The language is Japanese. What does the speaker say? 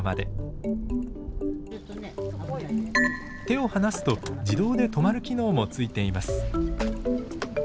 手を離すと自動で止まる機能もついています。